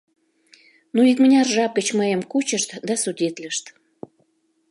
Но икмыняр жап гыч мыйым кучышт да судитлышт.